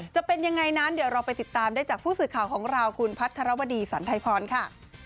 จะเป็นยังไงนั้นเดี๋ยวเราไปติดตามได้จากผู้สื่อข่าวของเราคุณพัทรวดีสันไทยพรค่ะ